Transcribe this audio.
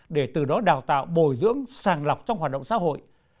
để từ đó đào tạo bồi dưỡng sàng lọc trong hoạt động xã hội